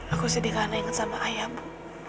aku sedih karena ingat sama ayah bu